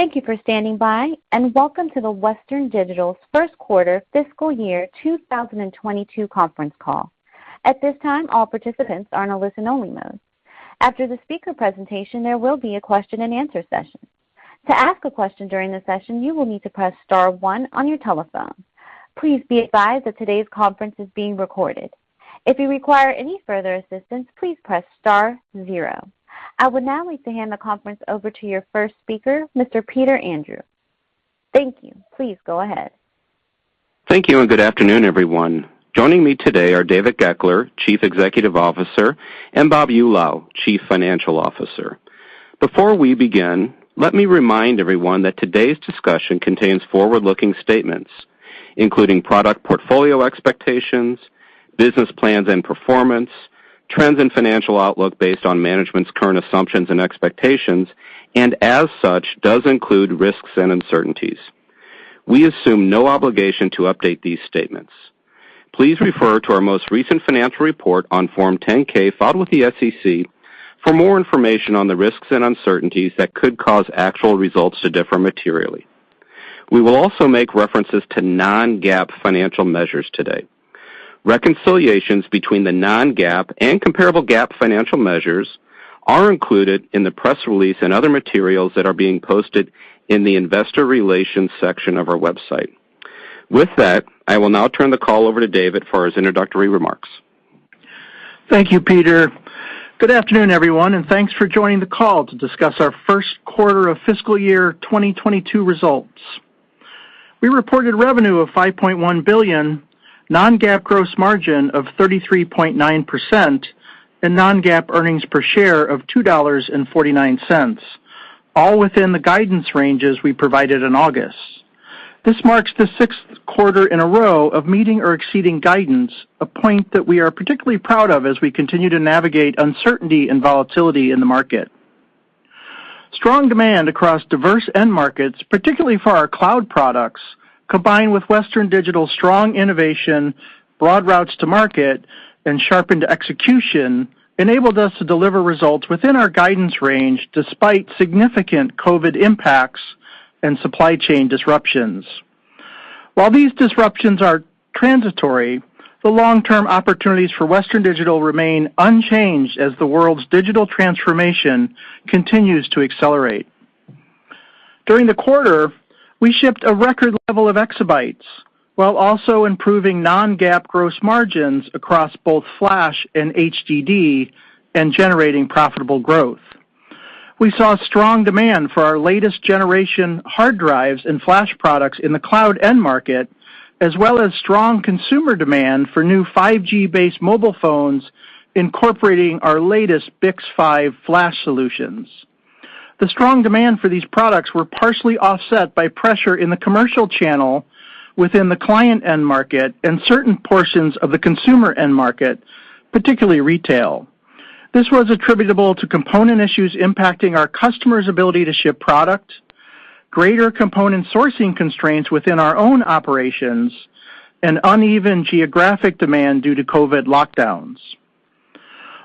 Thank you for standing by, and welcome to Western Digital's First Quarter Fiscal Year 2022 Conference Call. At this time, all participants are in a listen-only mode. After the speaker presentation, there will be a question-and-answer session. To ask a question during the session, you will need to press star 1 on your telephone. Please be advised that today's conference is being recorded. If you require any further assistance, please press star 0. I would now like to hand the conference over to your first speaker, Mr. Peter Andrew. Thank you. Please go ahead. Thank you, and good afternoon, everyone. Joining me today are David Goeckeler, Chief Executive Officer, and Bob Eulau, Chief Financial Officer. Before we begin, let me remind everyone that today's discussion contains forward-looking statements, including product portfolio expectations, business plans and performance, trends and financial outlook based on management's current assumptions and expectations, and as such, does include risks and uncertainties. We assume no obligation to update these statements. Please refer to our most recent financial report on Form 10-K filed with the SEC for more information on the risks and uncertainties that could cause actual results to differ materially. We will also make references to non-GAAP financial measures today. Reconciliations between the non-GAAP and comparable GAAP financial measures are included in the press release and other materials that are being posted in the Investor Relations section of our website. With that, I will now turn the call over to David for his introductory remarks. Thank you, Peter. Good afternoon, everyone, and thanks for joining the call to discuss our first quarter of fiscal year 2022 results. We reported revenue of $5.1 billion, non-GAAP gross margin of 33.9%, and non-GAAP earnings per share of $2.49, all within the guidance ranges we provided in August. This marks the sixth quarter in a row of meeting or exceeding guidance, a point that we are particularly proud of as we continue to navigate uncertainty and volatility in the market. Strong demand across diverse end markets, particularly for our cloud products, combined with Western Digital's strong innovation, broad routes to market, and sharpened execution, enabled us to deliver results within our guidance range despite significant COVID impacts and supply chain disruptions. While these disruptions are transitory, the long-term opportunities for Western Digital remain unchanged as the world's digital transformation continues to accelerate. During the quarter, we shipped a record level of exabytes while also improving non-GAAP gross margins across both flash and HDD and generating profitable growth. We saw strong demand for our latest generation hard drives and flash products in the cloud end market, as well as strong consumer demand for new 5G-based mobile phones incorporating our latest BiCS5 flash solutions. The strong demand for these products were partially offset by pressure in the commercial channel within the client end market and certain portions of the consumer end market, particularly retail. This was attributable to component issues impacting our customers' ability to ship product, greater component sourcing constraints within our own operations, and uneven geographic demand due to COVID lockdowns.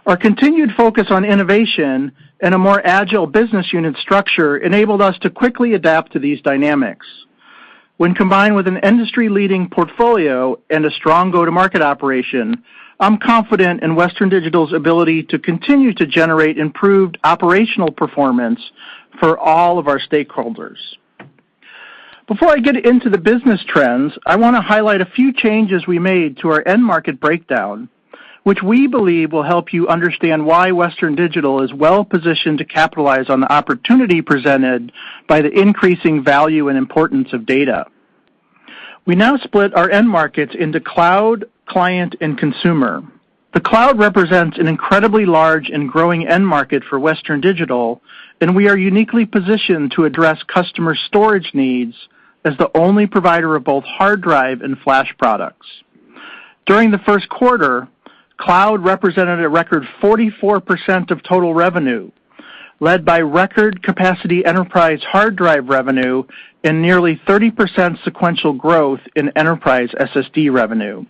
Our continued focus on innovation and a more agile business unit structure enabled us to quickly adapt to these dynamics. When combined with an industry-leading portfolio and a strong go-to-market operation, I'm confident in Western Digital's ability to continue to generate improved operational performance for all of our stakeholders. Before I get into the business trends, I wanna highlight a few changes we made to our end market breakdown, which we believe will help you understand why Western Digital is well-positioned to capitalize on the opportunity presented by the increasing value and importance of data. We now split our end markets into cloud, client, and consumer. The cloud represents an incredibly large and growing end market for Western Digital, and we are uniquely positioned to address customer storage needs as the only provider of both hard drive and flash products. During the first quarter, cloud represented a record 44% of total revenue, led by record capacity enterprise hard drive revenue and nearly 30% sequential growth in enterprise SSD revenue.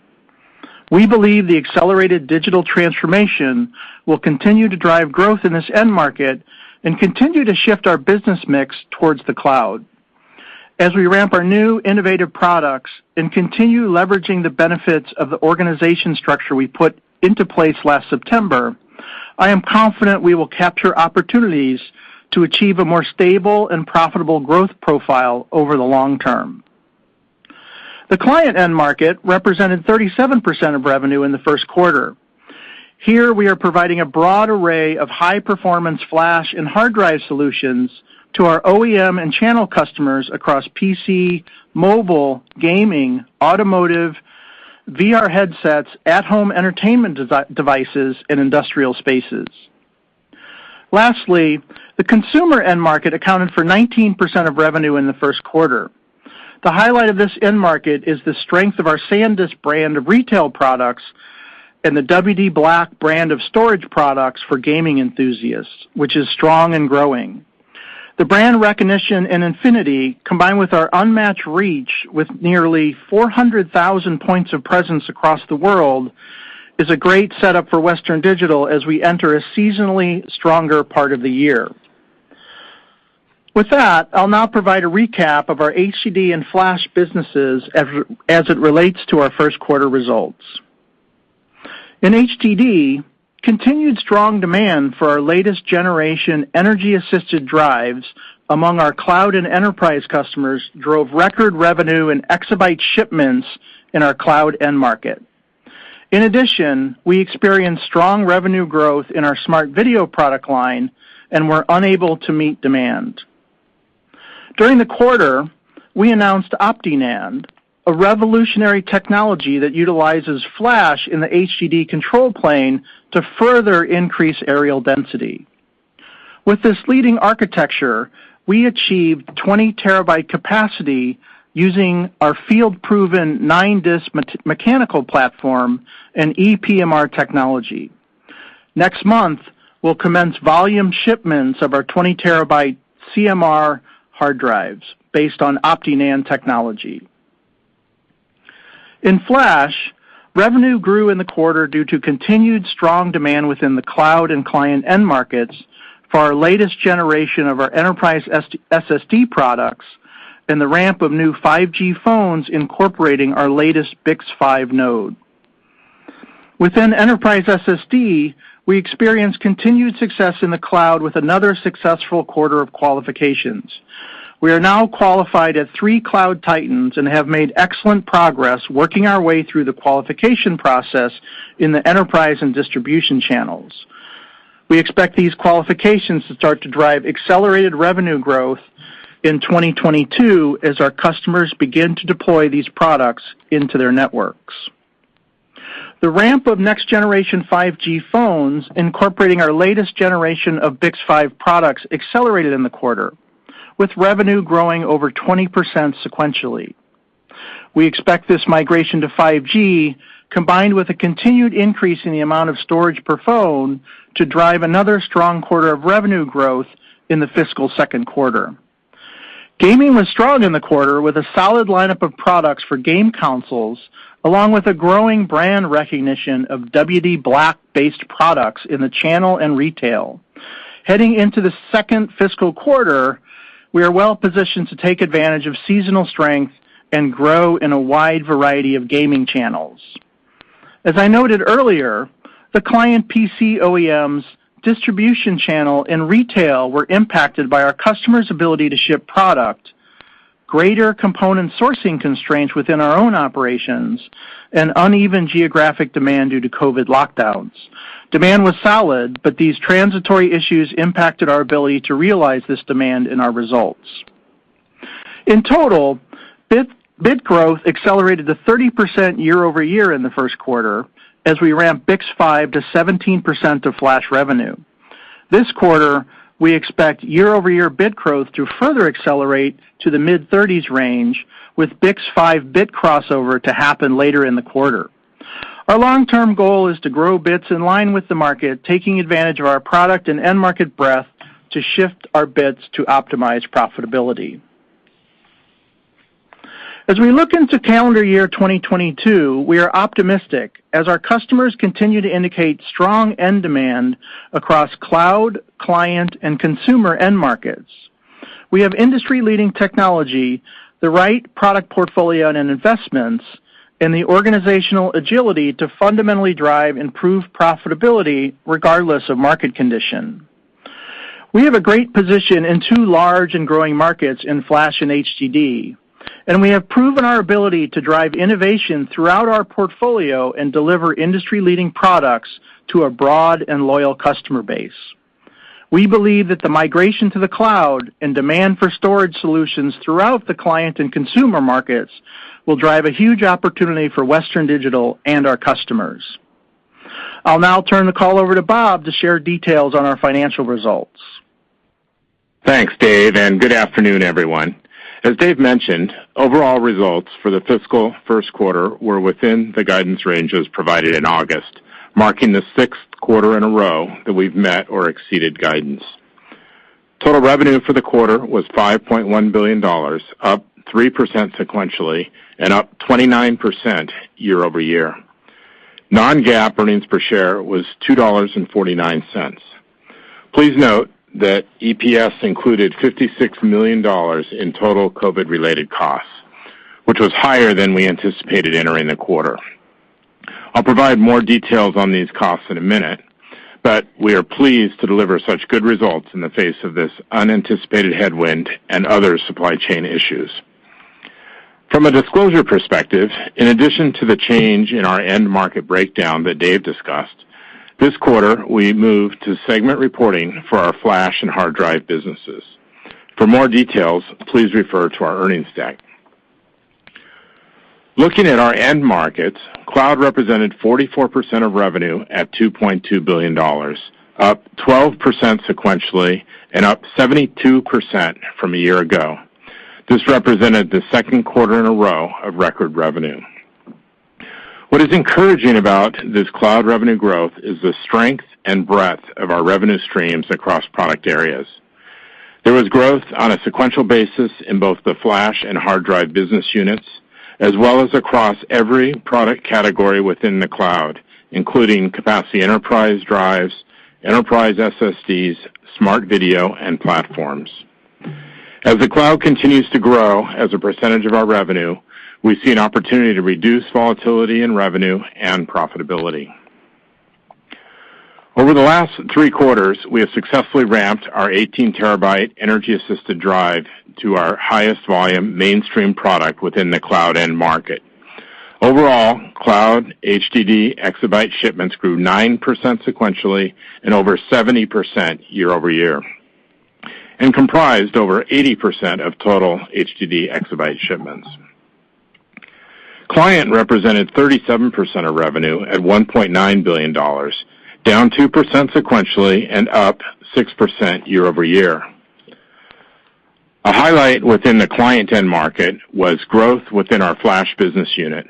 We believe the accelerated digital transformation will continue to drive growth in this end market and continue to shift our business mix towards the cloud. As we ramp our new innovative products and continue leveraging the benefits of the organization structure we put into place last September, I am confident we will capture opportunities to achieve a more stable and profitable growth profile over the long term. The client end market represented 37% of revenue in the first quarter. Here, we are providing a broad array of high-performance flash and hard drive solutions to our OEM and channel customers across PC, mobile, gaming, automotive, VR headsets, at-home entertainment devices, and industrial spaces. Lastly, the consumer end market accounted for 19% of revenue in the first quarter. The highlight of this end market is the strength of our SanDisk brand of retail products and the WD_BLACK brand of storage products for gaming enthusiasts, which is strong and growing. The brand recognition and affinity, combined with our unmatched reach with nearly 400,000 points of presence across the world is a great setup for Western Digital as we enter a seasonally stronger part of the year. With that, I'll now provide a recap of our HDD and flash businesses as it relates to our first quarter results. In HDD, continued strong demand for our latest generation energy-assisted drives among our cloud and enterprise customers drove record revenue and exabyte shipments in our cloud end market. In addition, we experienced strong revenue growth in our smart video product line and were unable to meet demand. During the quarter, we announced OptiNAND, a revolutionary technology that utilizes flash in the HDD control plane to further increase areal density. With this leading architecture, we achieved 20-terabyte capacity using our field-proven nine-disk mechanical platform and EPMR technology. Next month, we'll commence volume shipments of our 20-terabyte CMR hard drives based on OptiNAND technology. In flash, revenue grew in the quarter due to continued strong demand within the cloud and client end markets for our latest generation of our enterprise SSD products and the ramp of new 5G phones incorporating our latest BiCS5 node. Within enterprise SSD, we experienced continued success in the cloud with another successful quarter of qualifications. We are now qualified at three cloud titans and have made excellent progress working our way through the qualification process in the enterprise and distribution channels. We expect these qualifications to start to drive accelerated revenue growth in 2022 as our customers begin to deploy these products into their networks. The ramp of next-generation 5G phones incorporating our latest generation of BiCS5 products accelerated in the quarter, with revenue growing over 20% sequentially. We expect this migration to 5G, combined with a continued increase in the amount of storage per phone, to drive another strong quarter of revenue growth in the fiscal second quarter. Gaming was strong in the quarter with a solid lineup of products for game consoles, along with a growing brand recognition of WD_BLACK-based products in the channel and retail. Heading into the second fiscal quarter, we are well-positioned to take advantage of seasonal strength and grow in a wide variety of gaming channels. As I noted earlier, the client PC OEMs distribution channel and retail were impacted by our customers' ability to ship product, greater component sourcing constraints within our own operations, and uneven geographic demand due to COVID lockdowns. Demand was solid, but these transitory issues impacted our ability to realize this demand in our results. In total, bit growth accelerated to 30% year-over-year in the first quarter as we ramped BiCS5 to 17% of flash revenue. This quarter, we expect year-over-year bit growth to further accelerate to the mid-30s range, with BiCS5 bit crossover to happen later in the quarter. Our long-term goal is to grow bits in line with the market, taking advantage of our product and end market breadth to shift our bits to optimize profitability. As we look into calendar year 2022, we are optimistic as our customers continue to indicate strong end demand across cloud, client, and consumer end markets. We have industry-leading technology, the right product portfolio and investments, and the organizational agility to fundamentally drive improved profitability regardless of market condition. We have a great position in two large and growing markets in flash and HDD, and we have proven our ability to drive innovation throughout our portfolio and deliver industry-leading products to a broad and loyal customer base. We believe that the migration to the cloud and demand for storage solutions throughout the client and consumer markets will drive a huge opportunity for Western Digital and our customers. I'll now turn the call over to Bob to share details on our financial results. Thanks, David, and good afternoon, everyone. As David mentioned, overall results for the fiscal first quarter were within the guidance ranges provided in August, marking the sixth quarter in a row that we've met or exceeded guidance. Total revenue for the quarter was $5.1 billion, up 3% sequentially and up 29% year-over-year. Non-GAAP earnings per share was $2.49. Please note that EPS included $56 million in total COVID-related costs, which was higher than we anticipated entering the quarter. I'll provide more details on these costs in a minute, but we are pleased to deliver such good results in the face of this unanticipated headwind and other supply chain issues. From a disclosure perspective, in addition to the change in our end market breakdown that David discussed, this quarter we moved to segment reporting for our flash and hard drive businesses. For more details, please refer to our earnings deck. Looking at our end markets, cloud represented 44% of revenue at $2.2 billion, up 12% sequentially and up 72% from a year ago. This represented the second quarter in a row of record revenue. What is encouraging about this cloud revenue growth is the strength and breadth of our revenue streams across product areas. There was growth on a sequential basis in both the flash and hard drive business units, as well as across every product category within the cloud, including capacity enterprise drives, enterprise SSDs, smart video, and platforms. As the cloud continues to grow as a percentage of our revenue, we see an opportunity to reduce volatility in revenue and profitability. Over the last three quarters, we have successfully ramped our 18-terabyte energy-assisted drive to our highest volume mainstream product within the cloud end market. Overall, cloud HDD exabyte shipments grew 9% sequentially and over 70% year-over-year, and comprised over 80% of total HDD exabyte shipments. Client represented 37% of revenue at $1.9 billion, down 2% sequentially and up 6% year-over-year. A highlight within the client end market was growth within our flash business unit,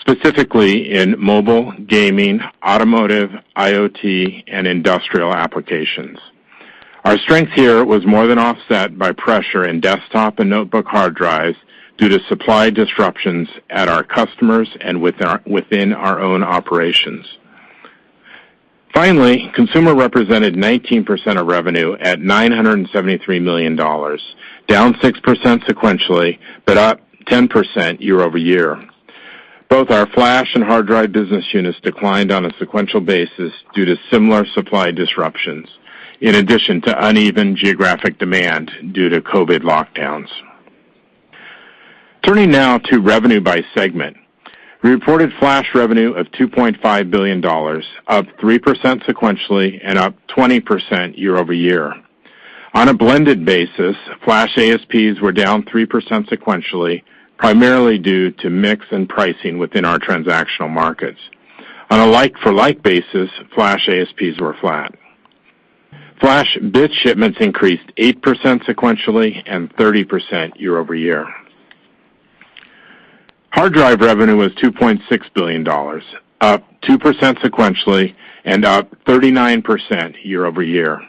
specifically in mobile, gaming, automotive, IoT, and industrial applications. Our strength here was more than offset by pressure in desktop and notebook hard drives due to supply disruptions at our customers and within our own operations. Finally, consumer represented 19% of revenue at $973 million, down 6% sequentially, but up 10% year-over-year. Both our flash and hard drive business units declined on a sequential basis due to similar supply disruptions in addition to uneven geographic demand due to COVID lockdowns. Turning now to revenue by segment. Reported flash revenue of $2.5 billion, up 3% sequentially and up 20% year-over-year. On a blended basis, flash ASPs were down 3% sequentially, primarily due to mix and pricing within our transactional markets. On a like-for-like basis, flash ASPs were flat. Flash bit shipments increased 8% sequentially and 30% year-over-year. Hard drive revenue was $2.6 billion, up 2% sequentially and up 39% year-over-year.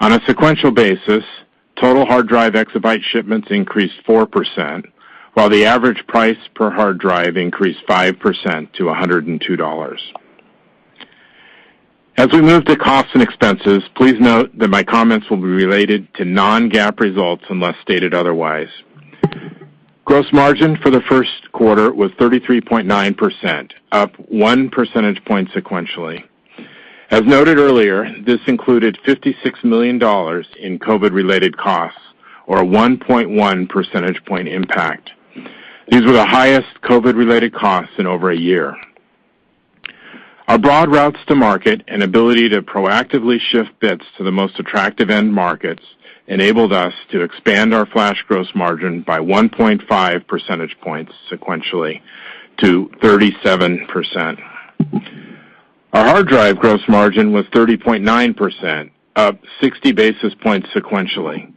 On a sequential basis, total hard drive exabyte shipments increased 4%, while the average price per hard drive increased 5% to $102. As we move to costs and expenses, please note that my comments will be related to non-GAAP results unless stated otherwise. Gross margin for the first quarter was 33.9%, up 1 percentage point sequentially. As noted earlier, this included $56 million in COVID-related costs or 1.1 percentage point impact. These were the highest COVID-related costs in over a year. Our broad routes to market and ability to proactively shift bits to the most attractive end markets enabled us to expand our flash gross margin by 1.5 percentage points sequentially to 37%. Our hard drive gross margin was 30.9%, up 60 basis points sequentially.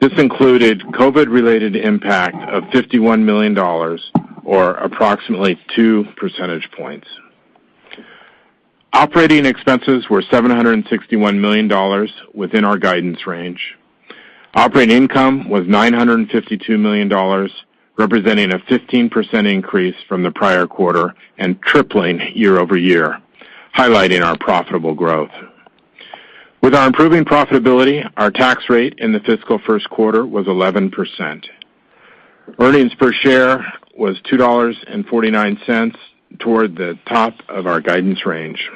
This included COVID-related impact of $51 million or approximately 2 percentage points. Operating expenses were $761 million within our guidance range. Operating income was $952 million, representing a 15% increase from the prior quarter and tripling year over year, highlighting our profitable growth. With our improving profitability, our tax rate in the fiscal first quarter was 11%. Earnings per share was $2.49 toward the top of our guidance range.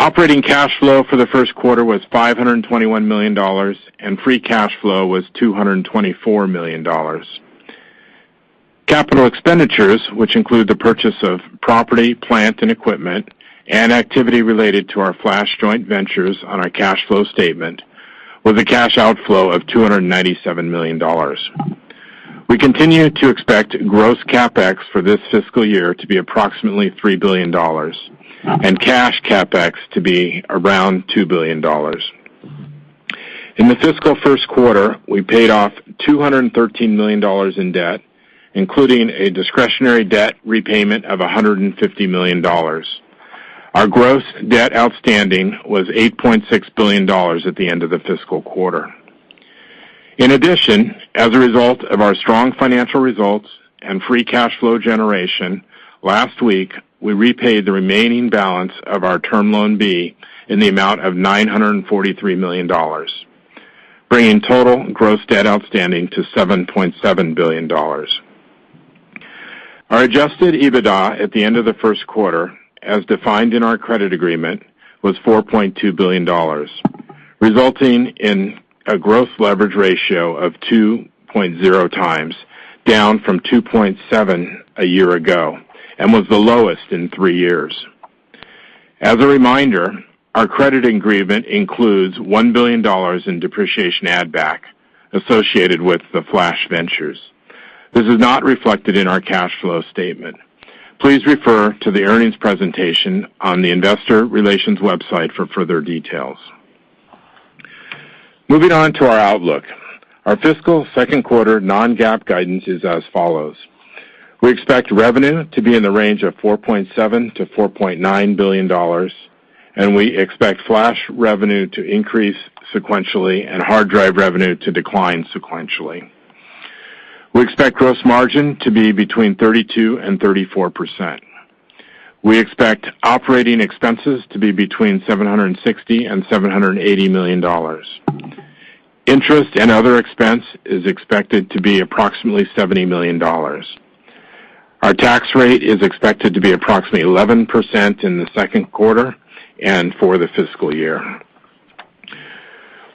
Operating cash flow for the first quarter was $521 million, and free cash flow was $224 million. Capital expenditures, which include the purchase of property, plant, and equipment and activity related to our flash joint ventures on our cash flow statement, were the cash outflow of $297 million. We continue to expect gross CapEx for this fiscal year to be approximately $3 billion and cash CapEx to be around $2 billion. In the fiscal first quarter, we paid off $213 million in debt, including a discretionary debt repayment of $150 million. Our gross debt outstanding was $8.6 billion at the end of the fiscal quarter. In addition, as a result of our strong financial results and free cash flow generation, last week, we repaid the remaining balance of our Term Loan B in the amount of $943 million, bringing total gross debt outstanding to $7.7 billion. Our Adjusted EBITDA at the end of the first quarter, as defined in our credit agreement, was $4.2 billion, resulting in a gross leverage ratio of 2.0 times, down from 2.7 a year ago and was the lowest in three years. As a reminder, our credit agreement includes $1 billion in depreciation add back associated with the Flash Ventures. This is not reflected in our cash flow statement. Please refer to the earnings presentation on the Investor Relations website for further details. Moving on to our outlook. Our fiscal second quarter non-GAAP guidance is as follows. We expect revenue to be in the range of $4.7 billion-$4.9 billion, and we expect flash revenue to increase sequentially and hard drive revenue to decline sequentially. We expect gross margin to be between 32% and 34%. We expect operating expenses to be between $760 million and $780 million. Interest and other expense is expected to be approximately $70 million. Our tax rate is expected to be approximately 11% in the second quarter and for the fiscal year.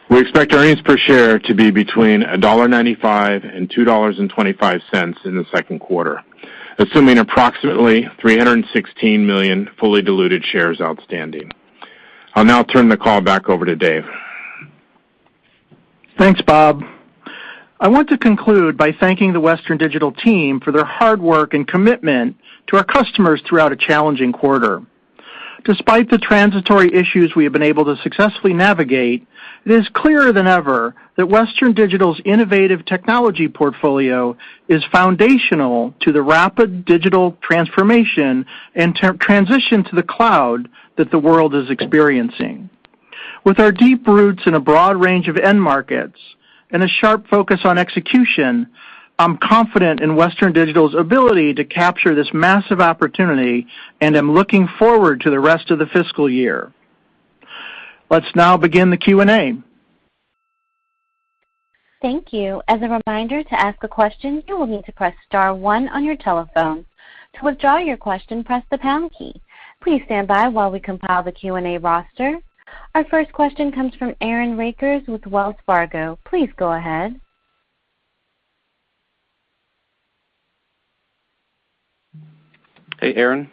We expect earnings per share to be between $1.95 and $2.25 in the second quarter, assuming approximately 316 million fully diluted shares outstanding. I'll now turn the call back over to Dave. Thanks, Bob. I want to conclude by thanking the Western Digital team for their hard work and commitment to our customers throughout a challenging quarter. Despite the transitory issues we have been able to successfully navigate, it is clearer than ever that Western Digital's innovative technology portfolio is foundational to the rapid digital transformation and data transition to the cloud that the world is experiencing. With our deep roots in a broad range of end markets and a sharp focus on execution, I'm confident in Western Digital's ability to capture this massive opportunity, and I'm looking forward to the rest of the fiscal year. Let's now begin the Q&A. Thank you. As a reminder to ask a question, you would need to press star 1 on your telephone. To withdraw your question, press the pound key. Please standby as we compile our Q&A roster. Our first question comes from Aaron Rakers with Wells Fargo. Please go ahead. Hey, Aaron.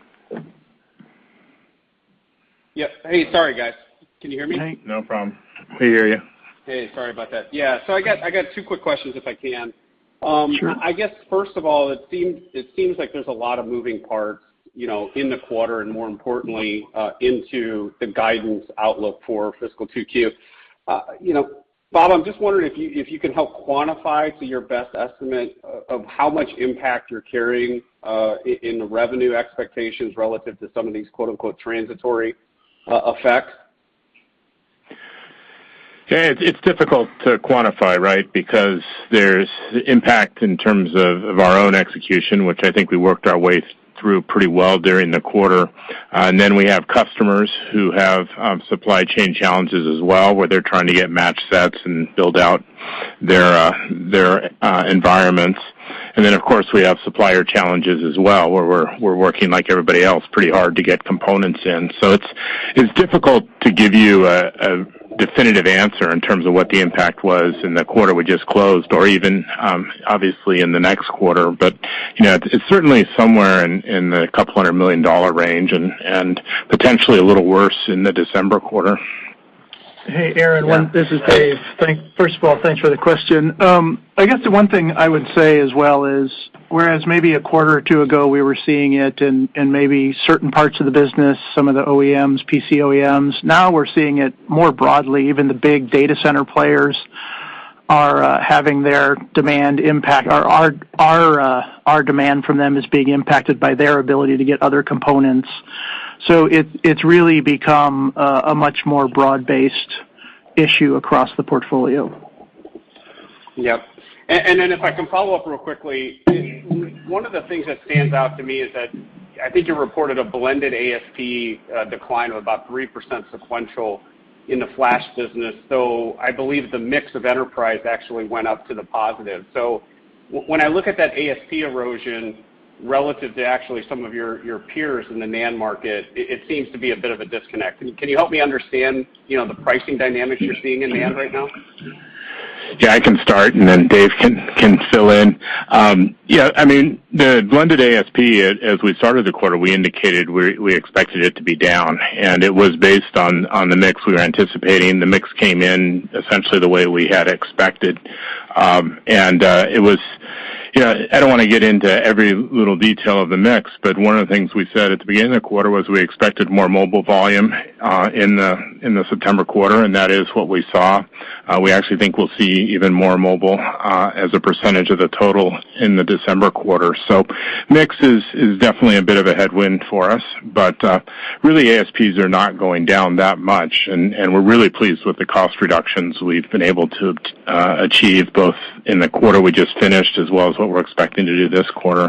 Yeah. Hey, sorry, guys. Can you hear me? Hey, no problem. We hear you. Hey, sorry about that. Yeah. I got two quick questions, if I can. Sure. I guess, first of all, it seems like there's a lot of moving parts, you know, in the quarter, and more importantly, into the guidance outlook for fiscal Q2. You know, Bob, I'm just wondering if you can help quantify, to your best estimate, of how much impact you're carrying in the revenue expectations relative to some of these, quote-unquote, "transitory," effects. Yeah, it's difficult to quantify, right? Because there's impact in terms of our own execution, which I think we worked our way through pretty well during the quarter. Then we have customers who have supply chain challenges as well, where they're trying to get match sets and build out their environments. Then, of course, we have supplier challenges as well, where we're working like everybody else pretty hard to get components in. It's difficult to give you a definitive answer in terms of what the impact was in the quarter we just closed or even, obviously, in the next quarter. You know, it's certainly somewhere in the couple million dollar range and potentially a little worse in the December quarter. Hey, Aaron. Yeah. This is Dave. First of all, thanks for the question. I guess the one thing I would say as well is, whereas maybe a quarter or two ago we were seeing it in maybe certain parts of the business, some of the OEMs, PC OEMs. Now we're seeing it more broadly. Even the big data center players are having their demand impacted. Our demand from them is being impacted by their ability to get other components. It's really become a much more broad-based issue across the portfolio. Yep. Then if I can follow up real quickly. One of the things that stands out to me is that I think you reported a blended ASP decline of about 3% sequential in the flash business. I believe the mix of enterprise actually went up to the positive. When I look at that ASP erosion relative to actually some of your peers in the NAND market, it seems to be a bit of a disconnect. Can you help me understand, you know, the pricing dynamics you're seeing in NAND right now? Yeah, I can start, and then Dave can fill in. Yeah, I mean, the blended ASP, as we started the quarter, we indicated we expected it to be down, and it was based on the mix we were anticipating. The mix came in essentially the way we had expected. It was. You know, I don't want to get into every little detail of the mix, but one of the things we said at the beginning of the quarter was we expected more mobile volume in the September quarter, and that is what we saw. We actually think we'll see even more mobile as a percentage of the total in the December quarter. Mix is definitely a bit of a headwind for us. Really ASPs are not going down that much, and we're really pleased with the cost reductions we've been able to achieve, both in the quarter we just finished as well as what we're expecting to do this quarter.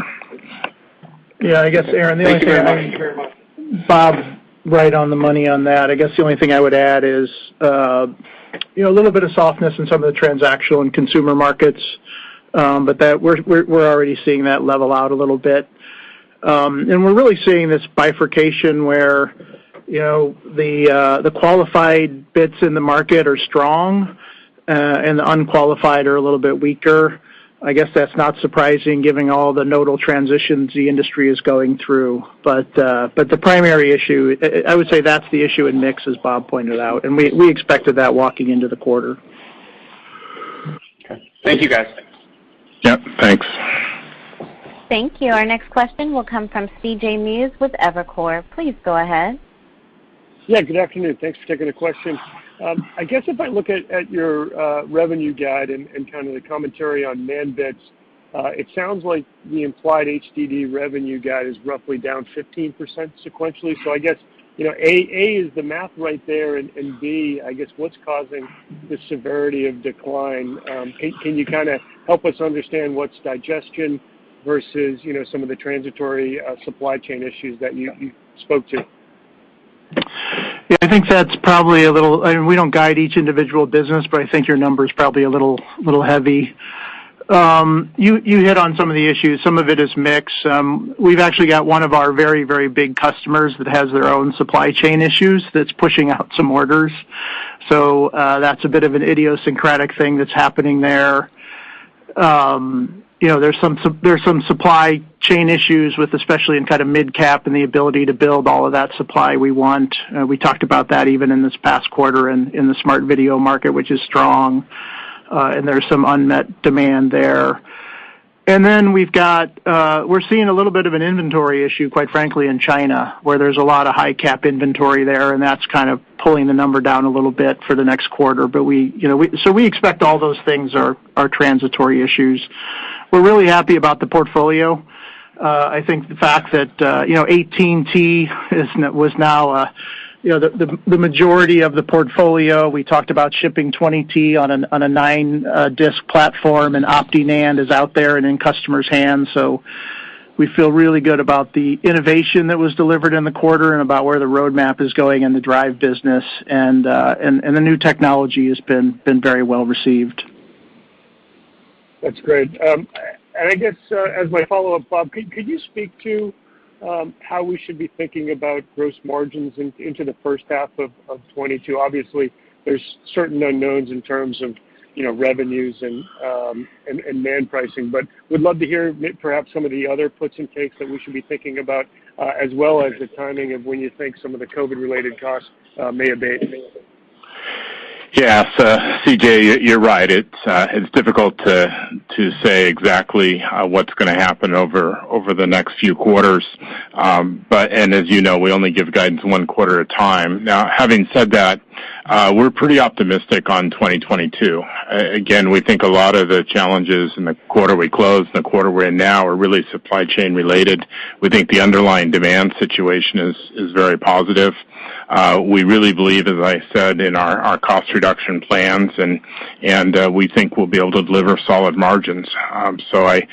Yeah, I guess, Aaron- Thank you very much. Bob's right on the money on that. I guess the only thing I would add is, you know, a little bit of softness in some of the transactional and consumer markets, but that we're already seeing that level out a little bit. We're really seeing this bifurcation where, you know, the qualified bits in the market are strong, and the unqualified are a little bit weaker. I guess that's not surprising given all the nodal transitions the industry is going through. The primary issue, I would say that's the issue in mix, as Bob pointed out, and we expected that walking into the quarter. Okay. Thank you, guys. Yep, thanks. Thank you. Our next question will come from C.J. Muse with Evercore. Please go ahead. Yeah. Good afternoon. Thanks for taking the question. I guess if I look at your revenue guide and kind of the commentary on NAND bits, it sounds like the implied HDD revenue guide is roughly down 15% sequentially. I guess, you know, A, is the math right there? B, I guess what's causing the severity of decline? Can you kind of help us understand what's digestion versus, you know, some of the transitory supply chain issues that you spoke to? Yeah, I think that's probably a little. I mean, we don't guide each individual business, but I think your number is probably a little heavy. You hit on some of the issues. Some of it is mix. We've actually got one of our very big customers that has their own supply chain issues that's pushing out some orders. So, that's a bit of an idiosyncratic thing that's happening there. You know, there's some supply chain issues with, especially in kind of midcap and the ability to build all of that supply we want. We talked about that even in this past quarter in the smart video market, which is strong. There's some unmet demand there. We've got, we're seeing a little bit of an inventory issue, quite frankly, in China, where there's a lot of high-cap inventory there, and that's kind of pulling the number down a little bit for the next quarter. We, you know, expect all those things are transitory issues. We're really happy about the portfolio. I think the fact that, you know, 18T is now the majority of the portfolio. We talked about shipping 20T on a nine-disk platform, and OptiNAND is out there and in customers' hands. We feel really good about the innovation that was delivered in the quarter and about where the roadmap is going in the drive business. The new technology has been very well received. That's great. I guess, as my follow-up, Bob, could you speak to how we should be thinking about gross margins into the first half of 2022? Obviously, there's certain unknowns in terms of, you know, revenues and NAND pricing. We'd love to hear perhaps some of the other puts and takes that we should be thinking about, as well as the timing of when you think some of the COVID-related costs may abate. Yeah. C.J., you're right. It's difficult to say exactly what's gonna happen over the next few quarters. As you know, we only give guidance one quarter at a time. Now, having said that, we're pretty optimistic on 2022. Again, we think a lot of the challenges in the quarter we closed and the quarter we're in now are really supply chain related. We think the underlying demand situation is very positive. We really believe, as I said, in our cost reduction plans, and we think we'll be able to deliver solid margins. I,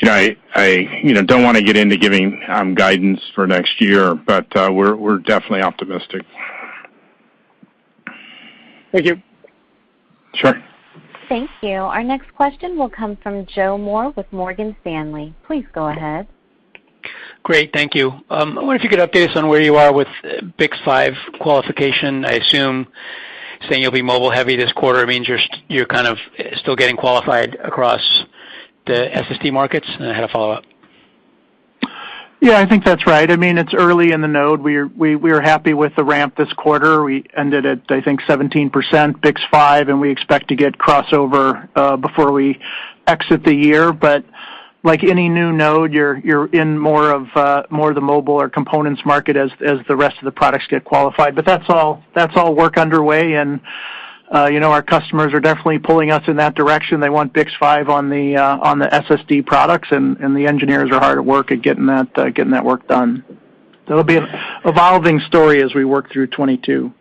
you know, don't wanna get into giving guidance for next year, but we're definitely optimistic. Thank you. Sure. Thank you. Our next question will come from Joe Moore with Morgan Stanley. Please go ahead. Great. Thank you. I wonder if you could update us on where you are with BiCS5 qualification. I assume saying you'll be mobile heavy this quarter means you're kind of still getting qualified across the SSD markets. I had a follow-up. Yeah, I think that's right. I mean, it's early in the node. We're happy with the ramp this quarter. We ended at, I think, 17% BiCS5, and we expect to get crossover before we exit the year. Like any new node, you're in more of the mobile or components market as the rest of the products get qualified. That's all work underway, and you know, our customers are definitely pulling us in that direction. They want BiCS5 on the SSD products, and the engineers are hard at work at getting that work done. That'll be an evolving story as we work through 2022.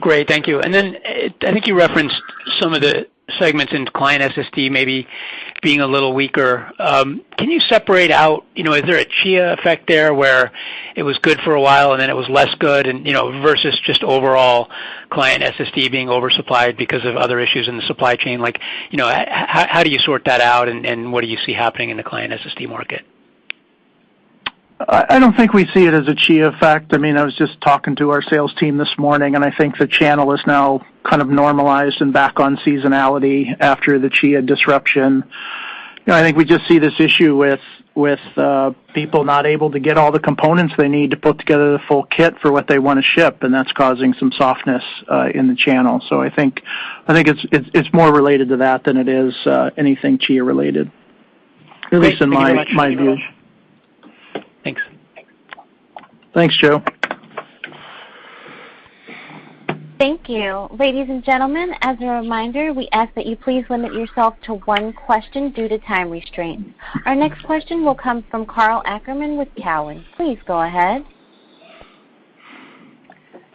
Great. Thank you. I think you referenced some of the segments in client SSD maybe being a little weaker. Can you separate out, you know, is there a Chia effect there where it was good for a while and then it was less good and, you know, versus just overall client SSD being oversupplied because of other issues in the supply chain? Like, you know, how do you sort that out, and what do you see happening in the client SSD market? I don't think we see it as a Chia effect. I mean, I was just talking to our sales team this morning, and I think the channel is now kind of normalized and back on seasonality after the Chia disruption. You know, I think we just see this issue with people not able to get all the components they need to put together the full kit for what they wanna ship, and that's causing some softness in the channel. I think it's more related to that than it is anything Chia related, at least in my view. Thanks. Thanks, Joe. Thank you. Ladies and gentlemen, as a reminder, we ask that you please limit yourself to one question due to time restraints. Our next question will come from Karl Ackerman with Cowen. Please go ahead.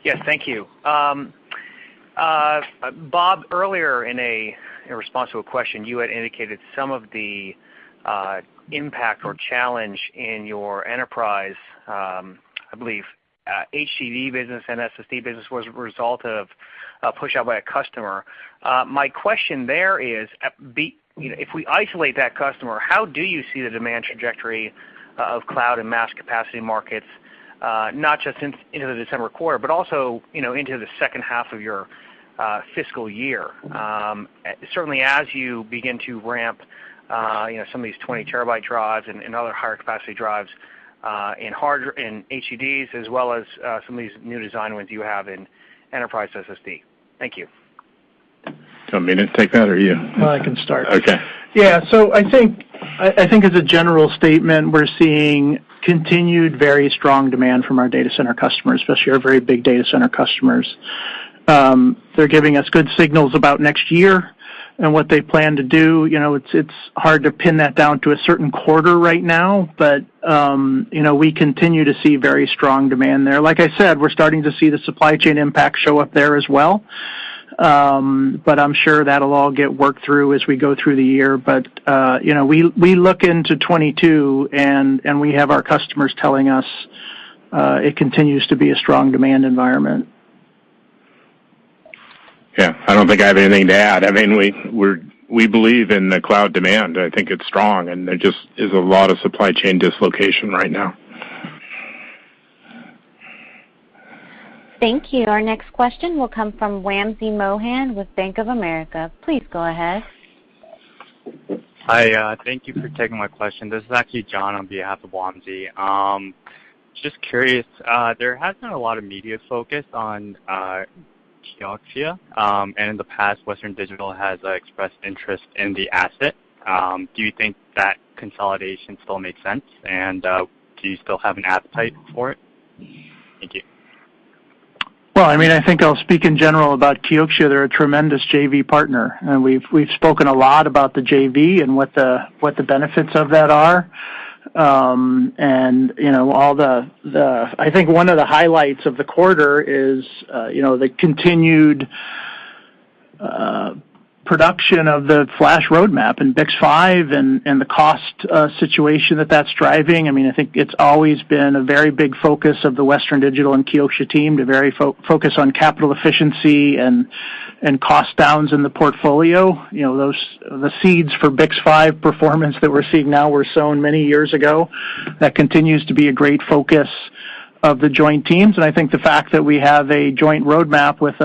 Yes, thank you. Bob, earlier in response to a question, you had indicated some of the impact or challenge in your enterprise, I believe, HDD business and SSD business was a result of a push out by a customer. My question there is, you know, if we isolate that customer, how do you see the demand trajectory of cloud and mass capacity markets, not just in, you know, the December quarter, but also, you know, into the second half of your fiscal year, certainly as you begin to ramp, you know, some of these 20-terabyte drives and other higher capacity drives in HDDs as well as some of these new design wins you have in enterprise SSD? Thank you. Do you want me to take that or you? Well, I can start. Okay. I think as a general statement, we're seeing continued very strong demand from our data center customers, especially our very big data center customers. They're giving us good signals about next year and what they plan to do. You know, it's hard to pin that down to a certain quarter right now, but you know, we continue to see very strong demand there. Like I said, we're starting to see the supply chain impact show up there as well. I'm sure that'll all get worked through as we go through the year. You know, we look into 2022, and we have our customers telling us it continues to be a strong demand environment. Yeah. I don't think I have anything to add. I mean, we believe in the cloud demand. I think it's strong, and there just is a lot of supply chain dislocation right now. Thank you. Our next question will come from Wamsi Mohan with Bank of America. Please go ahead. Hi. Thank you for taking my question. This is actually John on behalf of Wamsi. Just curious, there has been a lot of media focus on Kioxia, and in the past, Western Digital has expressed interest in the asset. Do you think that consolidation still makes sense, and do you still have an appetite for it? Thank you. Well, I mean, I think I'll speak in general about Kioxia. They're a tremendous JV partner, and we've spoken a lot about the JV and what the benefits of that are. You know, I think one of the highlights of the quarter is you know the continued production of the flash roadmap and BiCS5 and the cost situation that that's driving. I mean, I think it's always been a very big focus of the Western Digital and Kioxia team to focus on capital efficiency and cost downs in the portfolio. You know, the seeds for BiCS5 performance that we're seeing now were sown many years ago. That continues to be a great focus of the joint teams. I think the fact that we have a joint roadmap with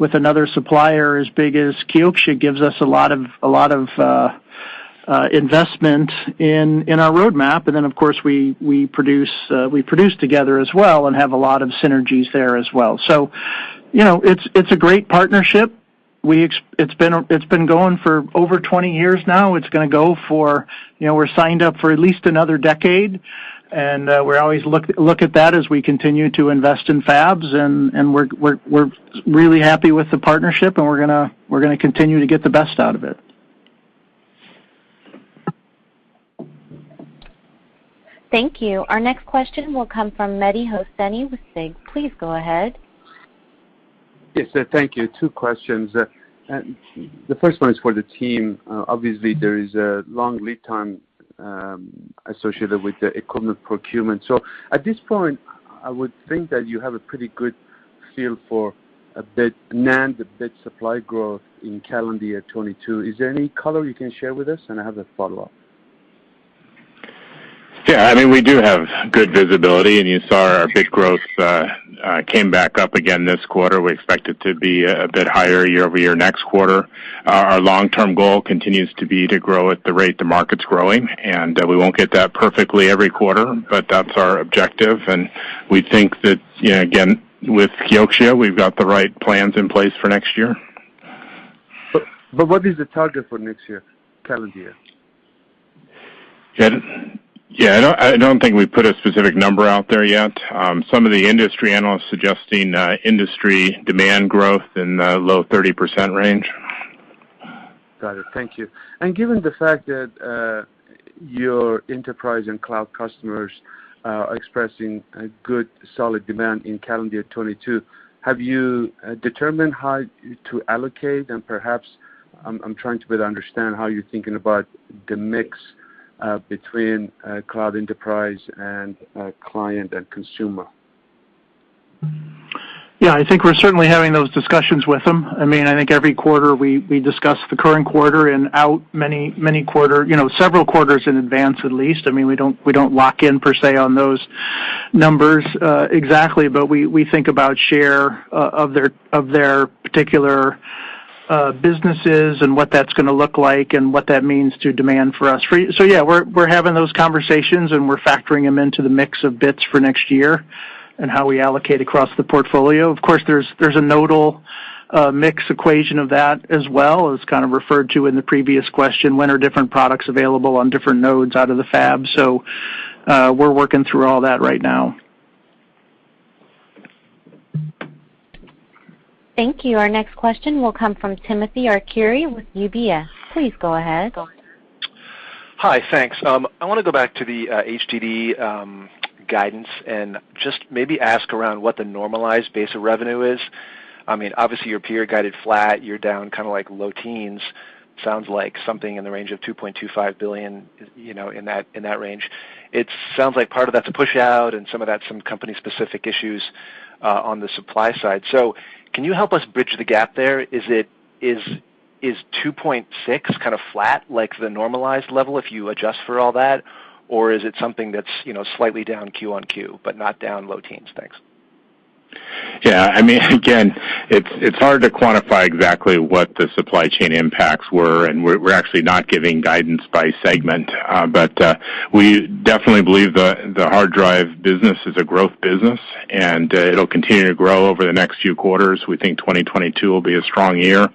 another supplier as big as Kioxia gives us a lot of investment in our roadmap. Then, of course, we produce together as well and have a lot of synergies there as well. You know, it's a great partnership. It's been going for over 20 years now. It's gonna go for, you know, we're signed up for at least another decade, and we always look at that as we continue to invest in fabs. We're really happy with the partnership, and we're gonna continue to get the best out of it. Thank you. Our next question will come from Mehdi Hosseini with SIG. Please go ahead. Yes, thank you. Two questions. The first one is for the team. Obviously, there is a long lead time associated with the equipment procurement. At this point, I would think that you have a pretty good feel for bit NAND supply growth in calendar year 2022. Is there any color you can share with us? I have a follow-up. Yeah. I mean, we do have good visibility, and you saw our bit growth came back up again this quarter. We expect it to be a bit higher year-over-year next quarter. Our long-term goal continues to be to grow at the rate the market's growing, and we won't get that perfectly every quarter, but that's our objective. We think that, you know, again, with Kioxia, we've got the right plans in place for next year. What is the target for next year, calendar year? Yeah, I don't think we've put a specific number out there yet. Some of the industry analysts suggesting industry demand growth in the low 30% range. Got it. Thank you. Given the fact that your enterprise and cloud customers are expressing a good, solid demand in calendar year 2022, have you determined how to allocate? Perhaps I'm trying to better understand how you're thinking about the mix between cloud, enterprise, and client and consumer. Yeah. I think we're certainly having those discussions with them. I mean, I think every quarter we discuss the current quarter and out many quarters, you know, several quarters in advance at least. I mean, we don't lock in per se on those numbers exactly. We think about share of their particular businesses and what that's gonna look like and what that means to demand for us. Yeah, we're having those conversations, and we're factoring them into the mix of bits for next year and how we allocate across the portfolio. Of course, there's a nodal mix equation of that as well. It was kind of referred to in the previous question. When are different products available on different nodes out of the fab? We're working through all that right now. Thank you. Our next question will come from Timothy Arcuri with UBS. Please go ahead. Hi. Thanks. I wanna go back to the HDD guidance and just maybe ask around what the normalized base of revenue is. I mean, obviously, your peer guided flat, you're down kind of like low teens. Sounds like something in the range of $2.25 billion, you know, in that range. It sounds like part of that's a push out and some of that's some company-specific issues on the supply side. Can you help us bridge the gap there? Is 2.6 kind of flat, like the normalized level if you adjust for all that? Or is it something that's, you know, slightly down Q-on-Q, but not down low teens? Thanks. Yeah. I mean, again, it's hard to quantify exactly what the supply chain impacts were, and we're actually not giving guidance by segment. We definitely believe the hard drive business is a growth business, and it'll continue to grow over the next few quarters. We think 2022 will be a strong year.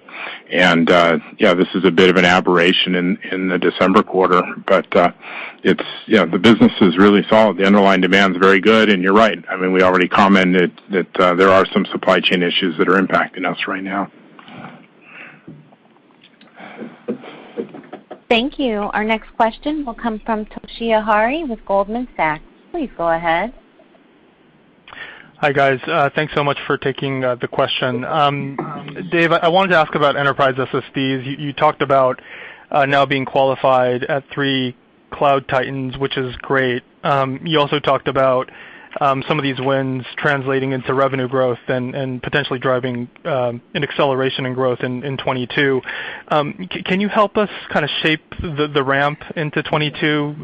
Yeah, this is a bit of an aberration in the December quarter, but it's, you know, the business is really solid. The underlying demand is very good, and you're right. I mean, we already commented that there are some supply chain issues that are impacting us right now. Thank you. Our next question will come from Toshiya Hari with Goldman Sachs. Please go ahead. Hi, guys. Thanks so much for taking the question. Dave, I wanted to ask about enterprise SSDs. You talked about now being qualified at three cloud titans, which is great. You also talked about some of these wins translating into revenue growth and potentially driving an acceleration in growth in 2022. Can you help us kind of shape the ramp into 2022?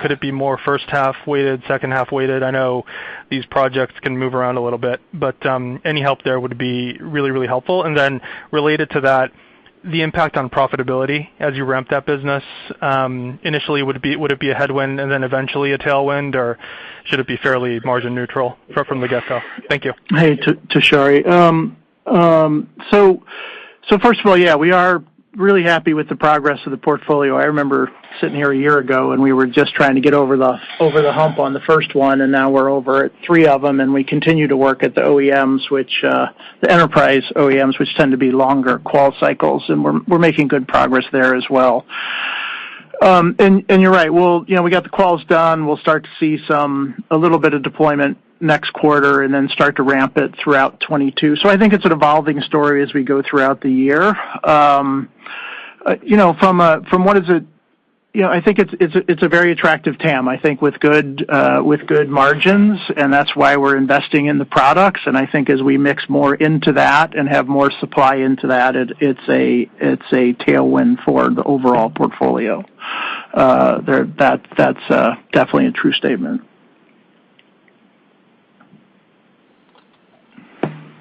Could it be more first half-weighted, second half-weighted? I know these projects can move around a little bit, but any help there would be really helpful. Related to that, the impact on profitability as you ramp that business, initially, would it be a headwind and then eventually a tailwind, or should it be fairly margin neutral from the get-go? Thank you. Hey, Toshiya Hari. So first of all, yeah, we are really happy with the progress of the portfolio. I remember sitting here a year ago, and we were just trying to get over the hump on the first one, and now we're over at three of them, and we continue to work at the OEMs, the enterprise OEMs, which tend to be longer qual cycles, and we're making good progress there as well. You're right. You know, we got the quals done. We'll start to see some, a little bit of deployment next quarter and then start to ramp it throughout 2022. I think it's an evolving story as we go throughout the year. You know, from what is it. You know, I think it's a very attractive TAM, I think, with good margins, and that's why we're investing in the products. I think as we mix more into that and have more supply into that, it's a tailwind for the overall portfolio. That's definitely a true statement.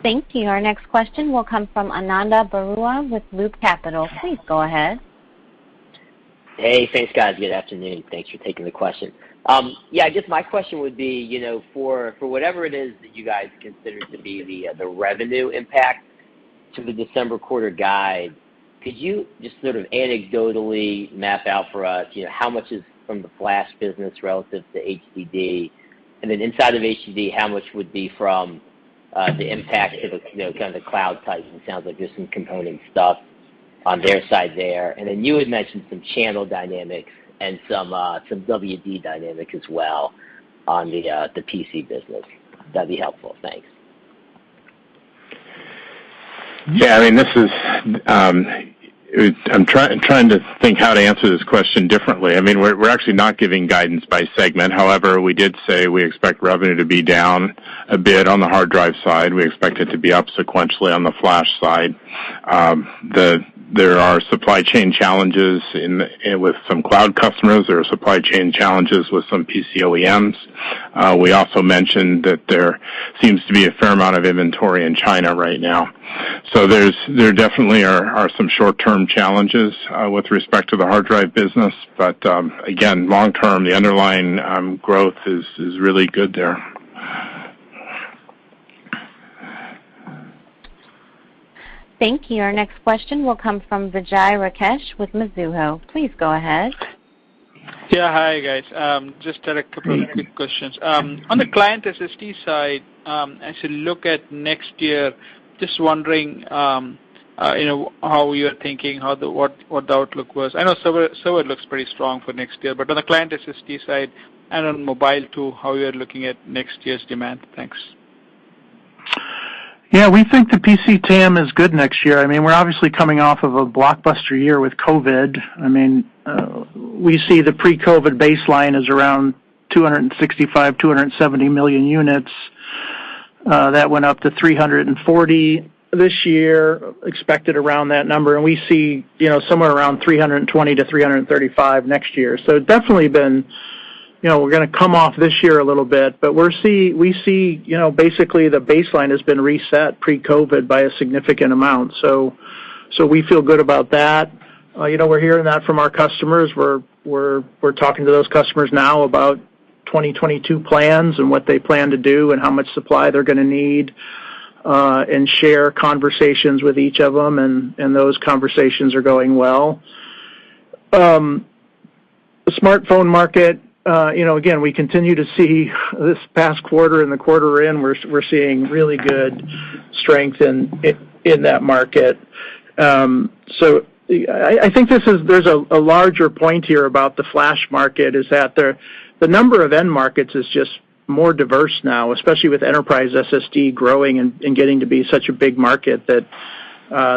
Thank you. Our next question will come from Ananda Baruah with Loop Capital. Please go ahead. Hey. Thanks, guys. Good afternoon. Thanks for taking the question. Yeah, I guess my question would be, you know, for whatever it is that you guys consider to be the revenue impact to the December quarter guide, could you just sort of anecdotally map out for us, you know, how much is from the flash business relative to HDD? And then inside of HDD, how much would be from the impact to the, you know, kind of the cloud type? It sounds like there's some component stuff on their side there. And then you had mentioned some channel dynamics and some WD dynamics as well on the PC business. That'd be helpful. Thanks. Yeah, I mean, this is. I'm trying to think how to answer this question differently. I mean, we're actually not giving guidance by segment. However, we did say we expect revenue to be down a bit on the hard drive side. We expect it to be up sequentially on the flash side. There are supply chain challenges with some cloud customers. There are supply chain challenges with some PC OEMs. We also mentioned that there seems to be a fair amount of inventory in China right now. There's definitely are some short-term challenges with respect to the hard drive business. Again, long-term, the underlying growth is really good there. Thank you. Our next question will come from Vijay Rakesh with Mizuho. Please go ahead. Yeah. Hi, guys. Just had a couple of quick questions. On the client SSD side, as you look at next year, just wondering, you know, how you're thinking, what the outlook was. I know server looks pretty strong for next year, but on the client SSD side and on mobile too, how you're looking at next year's demand. Thanks. Yeah. We think the PC TAM is good next year. I mean, we're obviously coming off of a blockbuster year with COVID. I mean, we see the pre-COVID baseline is around 265 million-270 million units. That went up to 340 million this year, expected around that number, and we see, you know, somewhere around 320 million-335 million next year. Definitely, you know, we're gonna come off this year a little bit, but we see, you know, basically the baseline has been reset pre-COVID by a significant amount, so we feel good about that. You know, we're hearing that from our customers. We're talking to those customers now about 2022 plans and what they plan to do and how much supply they're gonna need, and share conversations with each of them, and those conversations are going well. The smartphone market, you know, again, we continue to see this past quarter and the quarter we're in, we're seeing really good strength in that market. I think there's a larger point here about the flash market, that the number of end markets is just more diverse now, especially with enterprise SSD growing and getting to be such a big market that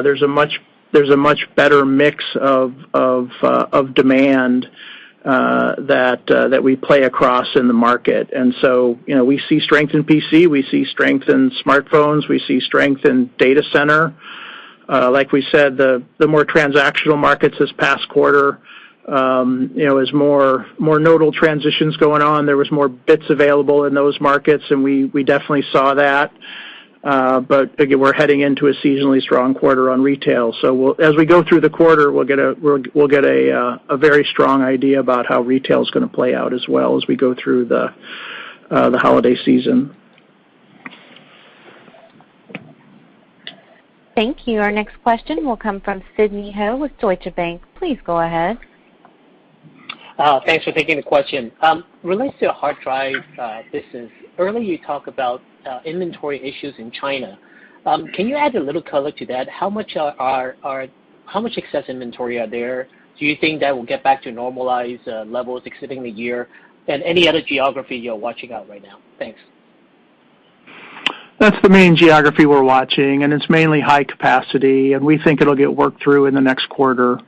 there's a much better mix of demand that we play across in the market. You know, we see strength in PC, we see strength in smartphones, we see strength in data center. Like we said, the more transactional markets this past quarter, you know, as more nodal transitions going on, there was more bits available in those markets, and we definitely saw that. Again, we're heading into a seasonally strong quarter on retail. As we go through the quarter, we'll get a very strong idea about how retail's gonna play out as well as we go through the holiday season. Thank you. Our next question will come from Sidney Ho with Deutsche Bank. Please go ahead. Thanks for taking the question. It relates to hard drive business. Earlier, you talked about inventory issues in China. Can you add a little color to that? How much excess inventory are there? Do you think that will get back to normalized levels exiting the year? Any other geography you're watching out right now? Thanks. That's the main geography we're watching, and it's mainly high capacity, and we think it'll get worked through in the next quarter.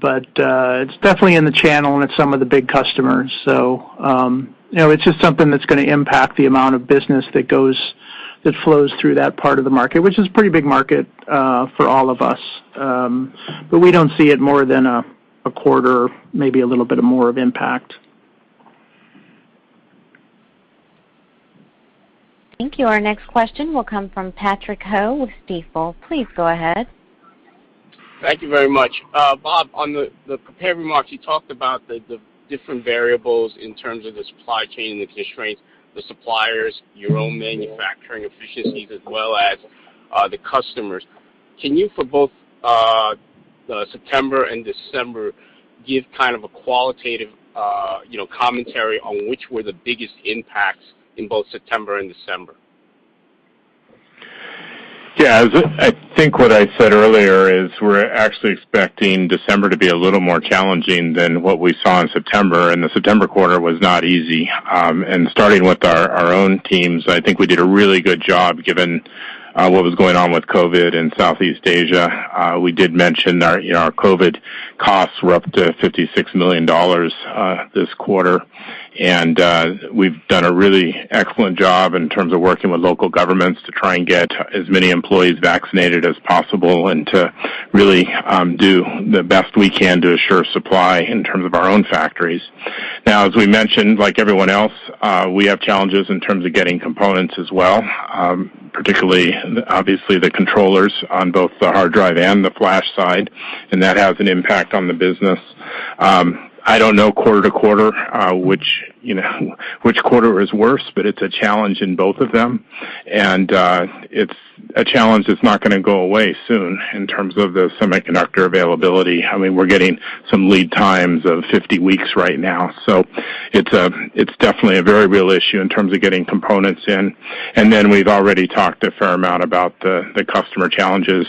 It's definitely in the channel, and it's some of the big customers. You know, it's just something that's gonna impact the amount of business that flows through that part of the market, which is a pretty big market for all of us. We don't see it more than a quarter, maybe a little bit more of impact. Thank you. Our next question will come from Patrick Ho with Stifel. Please go ahead. Thank you very much. Bob, on the prepared remarks, you talked about the different variables in terms of the supply chain and the constraints, the suppliers, your own manufacturing efficiencies, as well as the customers. Can you, for both the September and December, give kind of a qualitative you know commentary on which were the biggest impacts in both September and December? Yeah. I think what I said earlier is we're actually expecting December to be a little more challenging than what we saw in September, and the September quarter was not easy. Starting with our own teams, I think we did a really good job given what was going on with COVID in Southeast Asia. We did mention our, you know, our COVID costs were up to $56 million this quarter. We've done a really excellent job in terms of working with local governments to try and get as many employees vaccinated as possible and to really do the best we can to assure supply in terms of our own factories. Now, as we mentioned, like everyone else, we have challenges in terms of getting components as well, particularly, obviously, the controllers on both the hard drive and the flash side, and that has an impact on the business. I don't know quarter to quarter, which, you know, which quarter is worse, but it's a challenge in both of them. It's a challenge that's not gonna go away soon in terms of the semiconductor availability. I mean, we're getting some lead times of 50 weeks right now. So it's definitely a very real issue in terms of getting components in. Then we've already talked a fair amount about the customer challenges.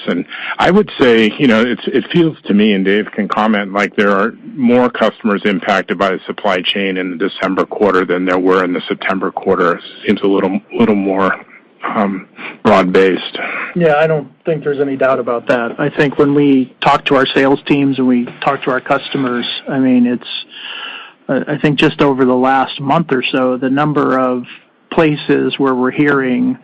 I would say, you know, it feels to me, and Dave can comment, like there are more customers impacted by the supply chain in the December quarter than there were in the September quarter. Seems a little more broad-based. Yeah. I don't think there's any doubt about that. I think when we talk to our sales teams and we talk to our customers, just over the last month or so, the number of places where we're hearing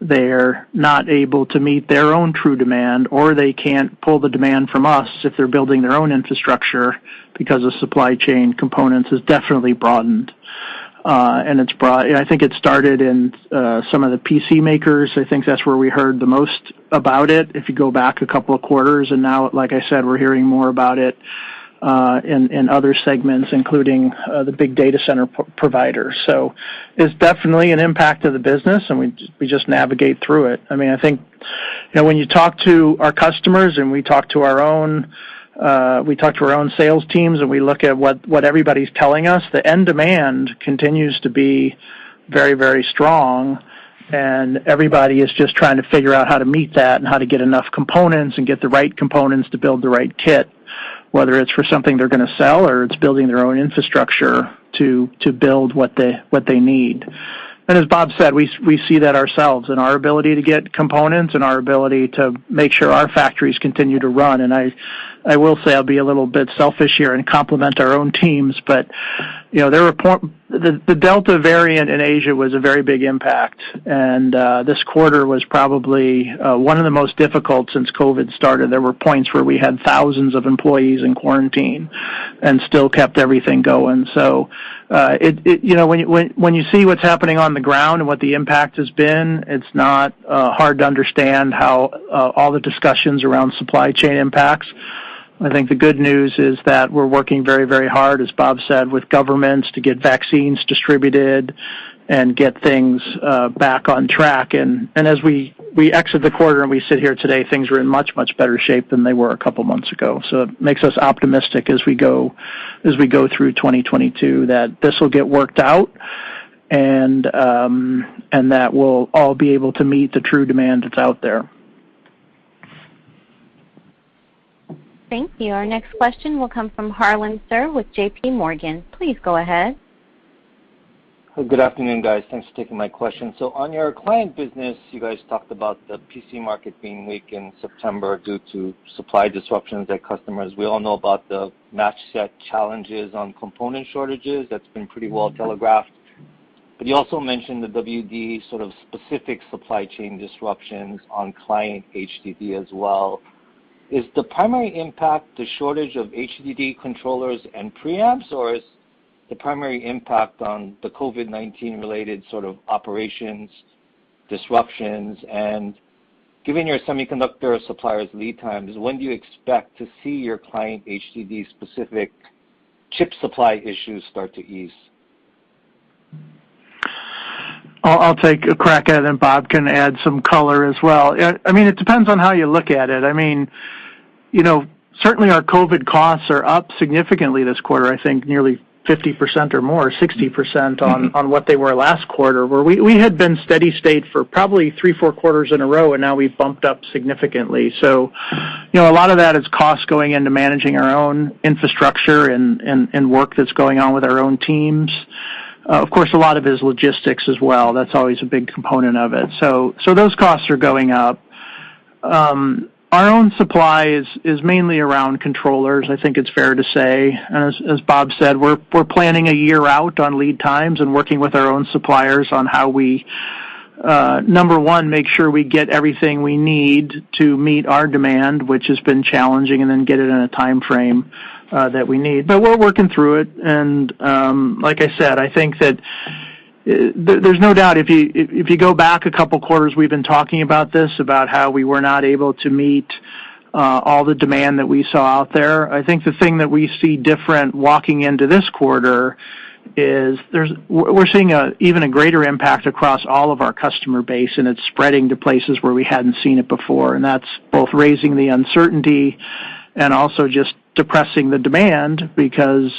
they're not able to meet their own true demand, or they can't pull the demand from us if they're building their own infrastructure because of supply chain components, has definitely broadened. I think it started in some of the PC makers. I think that's where we heard the most about it, if you go back a couple of quarters. Now, like I said, we're hearing more about it in other segments, including the big data center provider. It's definitely an impact to the business, and we just navigate through it. I mean, I think, you know, when you talk to our customers and we talk to our own sales teams and we look at what everybody's telling us, the end demand continues to be very, very strong, and everybody is just trying to figure out how to meet that and how to get enough components and get the right components to build the right kit, whether it's for something they're gonna sell or it's building their own infrastructure to build what they need. As Bob said, we see that ourselves in our ability to get components and our ability to make sure our factories continue to run. I will say I'll be a little bit selfish here and compliment our own teams, but you know, the Delta variant in Asia was a very big impact, and this quarter was probably one of the most difficult since COVID started. There were points where we had thousands of employees in quarantine and still kept everything going. It you know, when you see what's happening on the ground and what the impact has been, it's not hard to understand how all the discussions around supply chain impacts. I think the good news is that we're working very, very hard, as Bob said, with governments to get vaccines distributed and get things back on track. As we exit the quarter and we sit here today, things are in much better shape than they were a couple months ago. It makes us optimistic as we go through 2022 that this will get worked out and that we'll all be able to meet the true demand that's out there. Thank you. Our next question will come from Harlan Sur with J.P. Morgan. Please go ahead. Good afternoon, guys. Thanks for taking my question. On your client business, you guys talked about the PC market being weak in September due to supply disruptions at customers. We all know about the match set challenges on component shortages. That's been pretty well telegraphed. You also mentioned the WD sort of specific supply chain disruptions on client HDD as well. Is the primary impact the shortage of HDD controllers and preamps, or is the primary impact on the COVID-19 related sort of operations disruptions? Given your semiconductor suppliers lead times, when do you expect to see your client HDD specific chip supply issues start to ease? I'll take a crack at it, and Bob can add some color as well. I mean, it depends on how you look at it. I mean, you know, certainly our COVID costs are up significantly this quarter, I think nearly 50% or more, 60% on what they were last quarter, where we had been steady state for probably three, four quarters in a row, and now we've bumped up significantly. You know, a lot of that is cost going into managing our own infrastructure and work that's going on with our own teams. Of course, a lot of it is logistics as well. That's always a big component of it. Those costs are going up. Our own supply is mainly around controllers, I think it's fair to say. As Bob said, we're planning a year out on lead times and working with our own suppliers on how we number one, make sure we get everything we need to meet our demand, which has been challenging, and then get it in a timeframe that we need. We're working through it, and like I said, I think that there's no doubt if you go back a couple quarters, we've been talking about this, about how we were not able to meet all the demand that we saw out there. I think the thing that we see differently walking into this quarter is that we're seeing an even greater impact across all of our customer base, and it's spreading to places where we hadn't seen it before. That's both raising the uncertainty and also just depressing the demand because,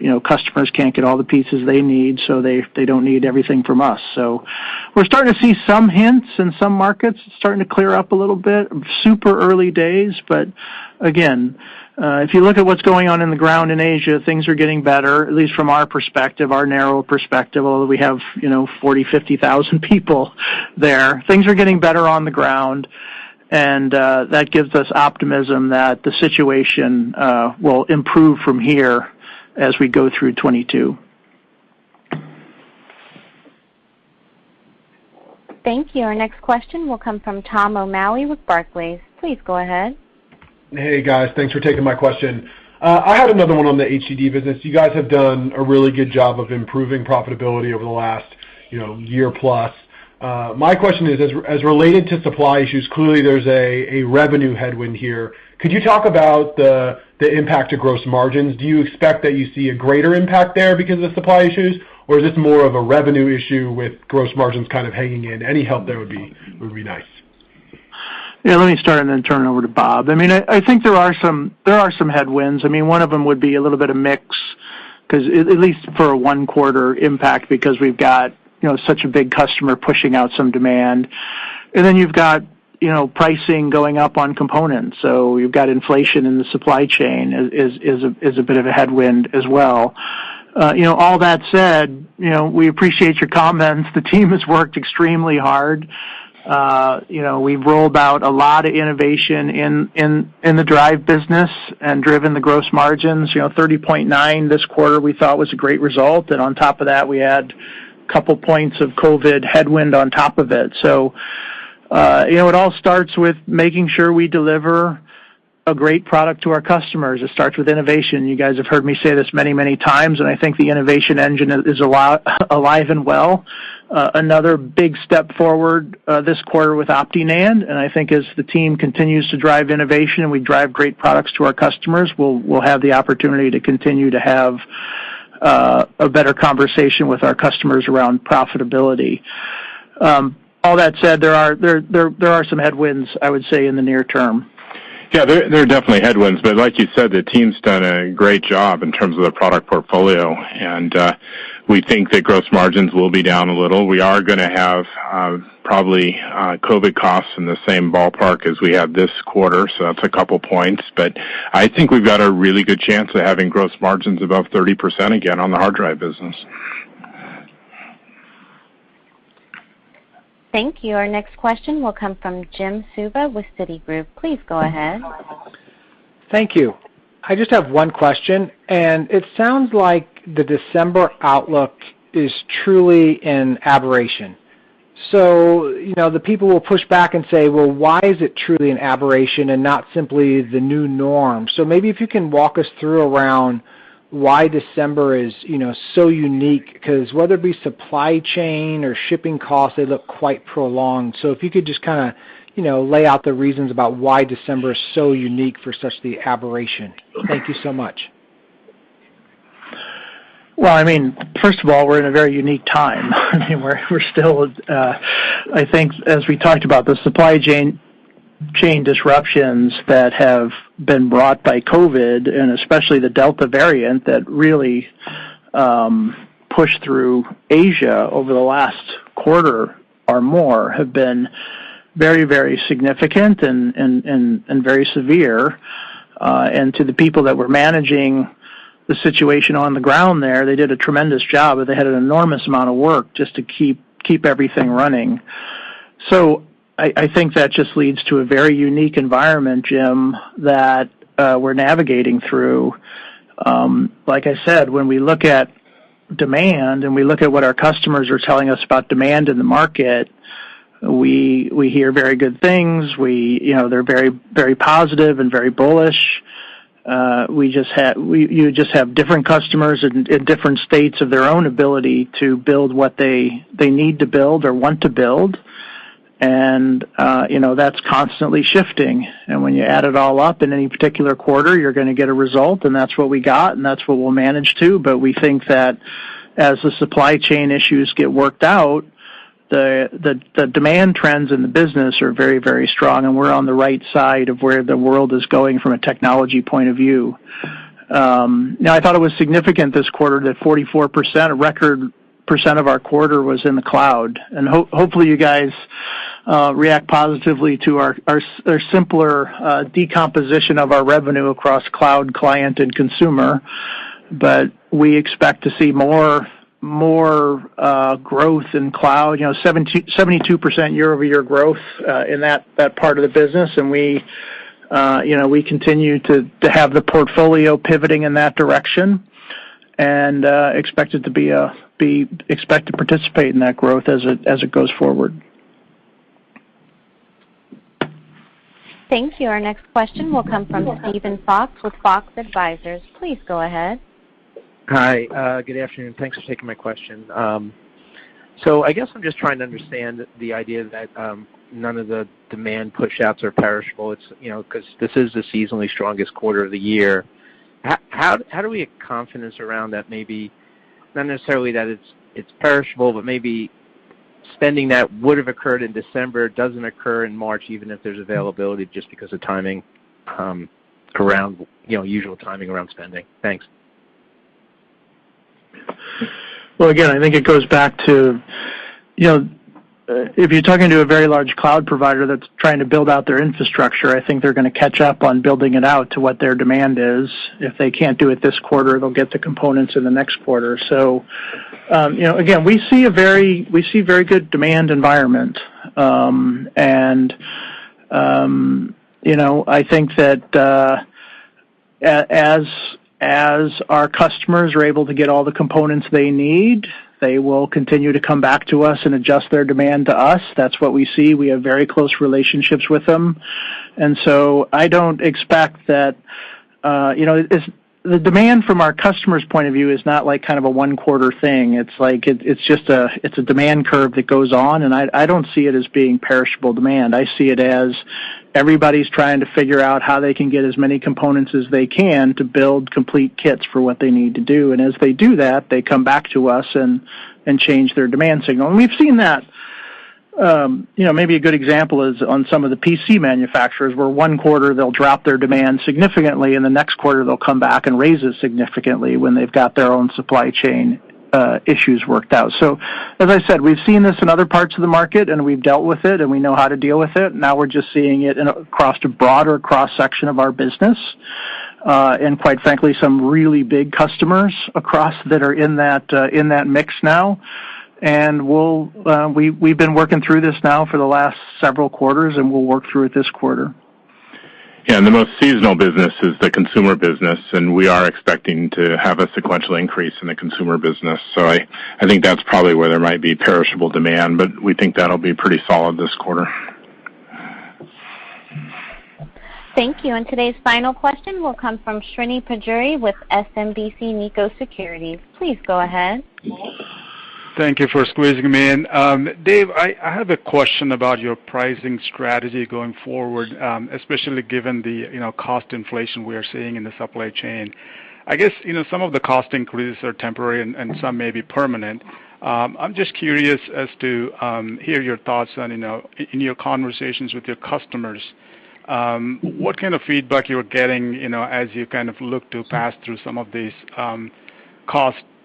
you know, customers can't get all the pieces they need, so they don't need everything from us. We're starting to see some hints in some markets starting to clear up a little bit. Super early days, but again, if you look at what's going on on the ground in Asia, things are getting better, at least from our perspective, our narrow perspective, although we have, you know, 40,000, 50,000 people there. Things are getting better on the ground, and that gives us optimism that the situation will improve from here as we go through 2022. Thank you. Our next question will come from Tom O'Malley with Barclays. Please go ahead. Hey, guys. Thanks for taking my question. I had another one on the HDD business. You guys have done a really good job of improving profitability over the last, you know, year plus. My question is, as related to supply issues, clearly there's a revenue headwind here. Could you talk about the impact to gross margins? Do you expect that you see a greater impact there because of supply issues, or is this more of a revenue issue with gross margins kind of hanging in? Any help there would be nice. Yeah, let me start and then turn it over to Bob. I mean, I think there are some headwinds. I mean, one of them would be a little bit of mix 'cause at least for a one quarter impact because we've got, you know, such a big customer pushing out some demand. Then you've got, you know, pricing going up on components. You've got inflation in the supply chain is a bit of a headwind as well. You know, all that said, you know, we appreciate your comments. The team has worked extremely hard. You know, we've rolled out a lot of innovation in the drive business and driven the gross margins. You know, 30.9% this quarter we thought was a great result, and on top of that, we had couple points of COVID headwind on top of it. You know, it all starts with making sure we deliver a great product to our customers. It starts with innovation. You guys have heard me say this many, many times, and I think the innovation engine is alive and well. Another big step forward this quarter with OptiNAND, and I think as the team continues to drive innovation and we drive great products to our customers, we'll have the opportunity to continue to have a better conversation with our customers around profitability. All that said, there are some headwinds, I would say, in the near term. Yeah, there are definitely headwinds, but like you said, the team's done a great job in terms of the product portfolio, and we think that gross margins will be down a little. We are gonna have probably COVID costs in the same ballpark as we have this quarter, so that's a couple points. I think we've got a really good chance of having gross margins above 30% again on the hard drive business. Thank you. Our next question will come from Jim Suva with Citigroup. Please go ahead. Thank you. I just have one question, and it sounds like the December outlook is truly an aberration. You know, the people will push back and say, "Well, why is it truly an aberration and not simply the new norm?" Maybe if you can walk us through around why December is, you know, so unique 'cause whether it be supply chain or shipping costs, they look quite prolonged. If you could just kinda, you know, lay out the reasons about why December is so unique for such the aberration. Thank you so much. Well, I mean, first of all, we're in a very unique time. I mean, we're still, I think as we talked about the supply chain disruptions that have been brought by COVID, and especially the Delta variant that really pushed through Asia over the last quarter or more, have been very significant and very severe. And to the people that were managing the situation on the ground there, they did a tremendous job, but they had an enormous amount of work just to keep everything running. I think that just leads to a very unique environment, Jim, that we're navigating through. Like I said, when we look at demand and we look at what our customers are telling us about demand in the market, we hear very good things. You know, they're very, very positive and very bullish. You just have different customers in different states of their own ability to build what they need to build or want to build. You know, that's constantly shifting. When you add it all up in any particular quarter, you're gonna get a result, and that's what we got, and that's what we'll manage to. We think that as the supply chain issues get worked out, the demand trends in the business are very, very strong, and we're on the right side of where the world is going from a technology point of view. Now I thought it was significant this quarter that 44%, a record percent of our quarter was in the cloud. Hopefully, you guys react positively to our simpler decomposition of our revenue across cloud, client, and consumer. We expect to see more growth in cloud, you know, 72% year-over-year growth in that part of the business. We continue to have the portfolio pivoting in that direction, and expect to participate in that growth as it goes forward. Thank you. Our next question will come from Steven Fox with Fox Advisors. Please go ahead. Hi, good afternoon. Thanks for taking my question. I guess I'm just trying to understand the idea that none of the demand pushouts are perishable. It's, you know, 'cause this is the seasonally strongest quarter of the year. How do we get confidence around that maybe not necessarily that it's perishable, but maybe spending that would've occurred in December doesn't occur in March, even if there's availability just because of timing around, you know, usual timing around spending? Thanks. Well, again, I think it goes back to, you know, if you're talking to a very large cloud provider that's trying to build out their infrastructure, I think they're gonna catch up on building it out to what their demand is. If they can't do it this quarter, they'll get the components in the next quarter. You know, again, we see very good demand environment. You know, I think that, as our customers are able to get all the components they need, they will continue to come back to us and adjust their demand to us. That's what we see. We have very close relationships with them. I don't expect that, you know, it's the demand from our customers' point of view is not like kind of a one-quarter thing. It's a demand curve that goes on, and I don't see it as being perishable demand. I see it as everybody's trying to figure out how they can get as many components as they can to build complete kits for what they need to do. As they do that, they come back to us and change their demand signal. We've seen that. You know, maybe a good example is on some of the PC manufacturers, where one quarter they'll drop their demand significantly, and the next quarter they'll come back and raise it significantly when they've got their own supply chain issues worked out. As I said, we've seen this in other parts of the market, and we've dealt with it, and we know how to deal with it. Now we're just seeing it across a broader cross-section of our business. Quite frankly, some really big customers across that are in that mix now. We've been working through this now for the last several quarters, and we'll work through it this quarter. Yeah, the most seasonal business is the consumer business, and we are expecting to have a sequential increase in the consumer business. I think that's probably where there might be perishable demand, but we think that'll be pretty solid this quarter. Thank you. Today's final question will come from Srini Pajjuri with SMBC Nikko Securities. Please go ahead. Thank you for squeezing me in. Dave, I have a question about your pricing strategy going forward, especially given the, you know, cost inflation we are seeing in the supply chain. I guess, you know, some of the cost increases are temporary and some may be permanent. I'm just curious as to hear your thoughts on, you know, in your conversations with your customers, what kind of feedback you're getting, you know, as you kind of look to pass through some of these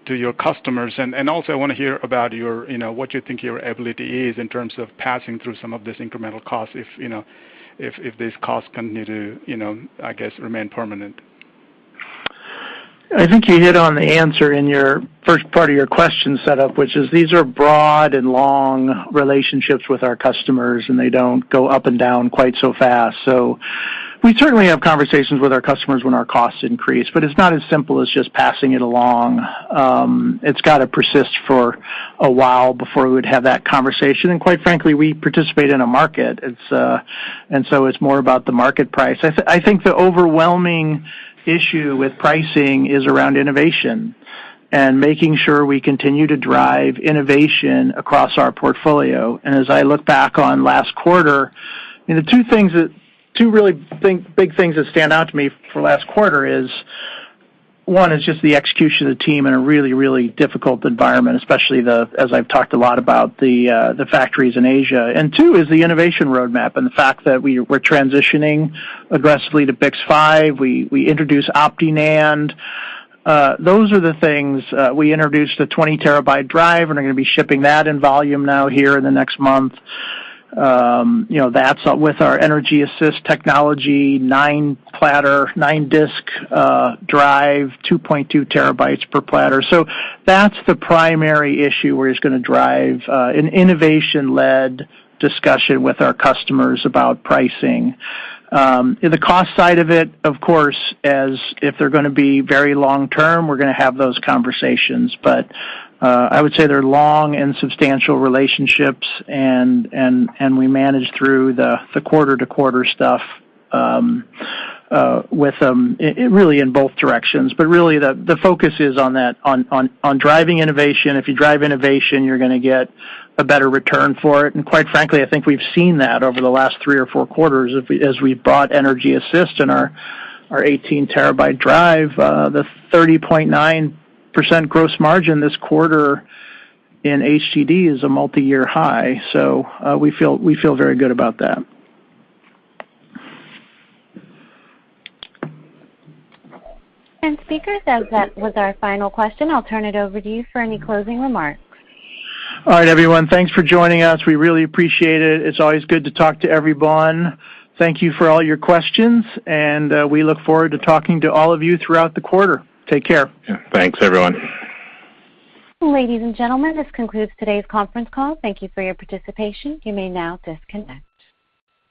costs to your customers? Also I wanna hear about your, you know, what you think your ability is in terms of passing through some of these incremental costs if, you know, if these costs continue to, you know, I guess, remain permanent. I think you hit on the answer in your first part of your question set up, which is these are broad and long relationships with our customers, and they don't go up and down quite so fast. We certainly have conversations with our customers when our costs increase, but it's not as simple as just passing it along. It's gotta persist for a while before we would have that conversation. Quite frankly, we participate in a market. It's more about the market price. I think the overwhelming issue with pricing is around innovation and making sure we continue to drive innovation across our portfolio. As I look back on last quarter, you know, the two really big things that stand out to me for last quarter is one, just the execution of the team in a really, really difficult environment, especially, as I've talked a lot about, the factories in Asia. Two is the innovation roadmap and the fact that we're transitioning aggressively to BiCS5. We introduced OptiNAND. Those are the things. We introduced a 20-terabyte drive, and we're gonna be shipping that in volume now here in the next month. You know, that's with our energy-assisted technology, nine-platter, nine-disk drive, 2.2 terabytes per platter. So that's the primary issue where it's gonna drive an innovation-led discussion with our customers about pricing. In the cost side of it, of course, as if they're gonna be very long term, we're gonna have those conversations. I would say they're long and substantial relationships and we manage through the quarter-to-quarter stuff with them really in both directions. Really the focus is on that, on driving innovation. If you drive innovation, you're gonna get a better return for it. Quite frankly, I think we've seen that over the last three or four quarters if we, as we've bought energy-assisted and our 18-terabyte drive. The 30.9% gross margin this quarter in HDD is a multiyear high. We feel very good about that. Speakers, as that was our final question, I'll turn it over to you for any closing remarks. All right, everyone. Thanks for joining us. We really appreciate it. It's always good to talk to everyone. Thank you for all your questions, and we look forward to talking to all of you throughout the quarter. Take care. Yeah. Thanks, everyone. Ladies and gentlemen, this concludes today's conference call. Thank you for your participation. You may now disconnect.